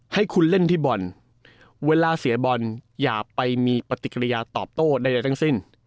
ให้คุณเล่นที่บอลเวลาเสียบอลอย่าไปมีปฏิกิริยาตอบโต้ใดทั้งสิ้น